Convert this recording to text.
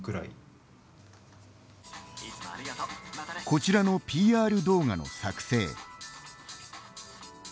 こちらのＰＲ動画の作成。